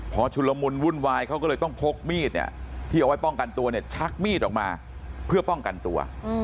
พอชุลมุนวุ่นวายเขาก็เลยต้องพกมีดเนี่ยที่เอาไว้ป้องกันตัวเนี่ยชักมีดออกมาเพื่อป้องกันตัว